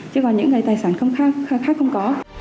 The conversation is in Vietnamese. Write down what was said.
chứ còn những cái tài sản khác không có